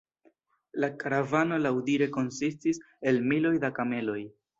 La karavano laŭdire konsistis el "miloj da kameloj".